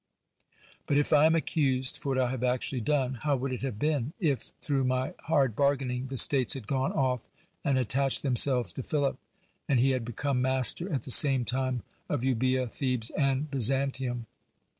But if I am accused for what I have actually done, how would it have been, if, through my hard bargaining, the states had gone off and at tached themselves to Philip, and he had become master at the same tixne of Eubcea, Thebes, and Byzantium